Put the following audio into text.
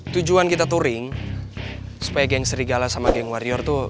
tujuan kita touring supaya geng serigala sama geng warrior tuh